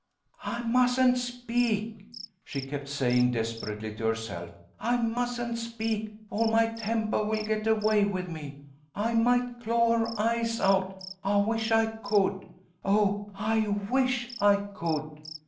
"I mustn't speak," she kept saying desperately to herself. "I mustn't speak, or my tempah will get away with me. I might claw her eyes out. I wish I could! Oh, I wish I could!"